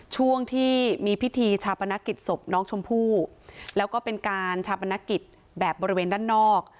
ช่วงที่มีพิธีชาปนกิจศพน้องชมพู่แล้วก็เป็นการชาปนกิจแบบบริเวณด้านนอก